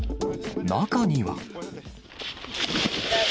中には。